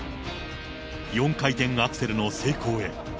４回転アクセルの成功へ。